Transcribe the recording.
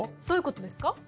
どういうことですか？